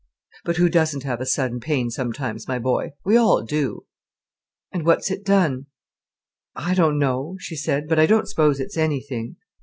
"But who doesn't have a sudden pain sometimes, my boy. We all do." "And what's it done?" "I don't know," she said, "but I don't suppose it's anything."